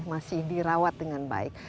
masih dirawat dengan baik